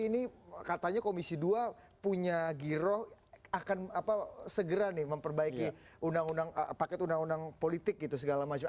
ini katanya komisi dua punya giroh akan segera nih memperbaiki paket undang undang politik gitu segala macam